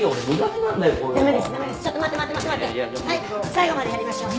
最後までやりましょう。